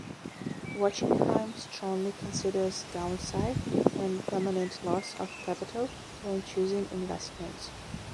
Wachenheim strongly considers downside and permanent loss of capital when choosing investments.